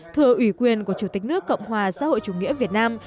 thưa ủy quyền của chủ tịch nước cộng hòa xã hội chủ nghĩa việt nam